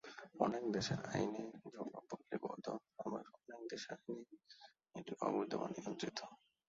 অনেক দেশের আইনে যৌনপল্লি বৈধ আবার অনেক দেশের আইনে এটি অবৈধ বা নিয়ন্ত্রিত।